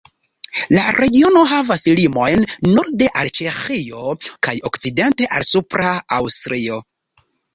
La regiono havas limojn norde al Ĉeĥio, kaj okcidente al Supra Aŭstrio.